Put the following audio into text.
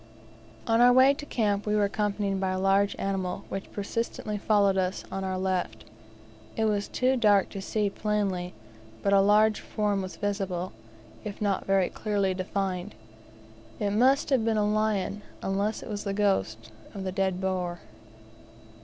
On our way to camp we were accompanied by a large animal which persistently followed us on our left. It was too dark to see plainly, but a large form was visible, if not very clearly defined. It must have been a lion, unless it was the ghost of the dead boar.